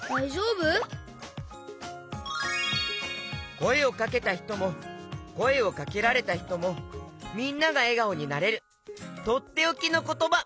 こえをかけたひともこえをかけられたひともみんながえがおになれるとっておきのことば！